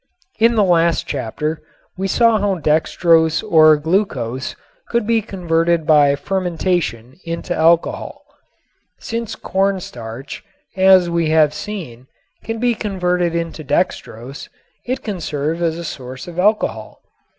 In the last chapter we saw how dextrose or glucose could be converted by fermentation into alcohol. Since corn starch, as we have seen, can be converted into dextrose, it can serve as a source of alcohol.